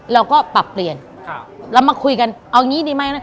แล้วก็ปรับเปลี่ยนเรามาคุยกันเอาอย่างนี้ดีไหม